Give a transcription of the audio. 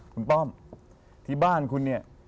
คุณป้อมที่บ้านคุณเนี่ย